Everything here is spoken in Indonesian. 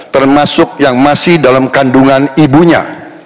termasuk yang masih dalam kandungan ibunya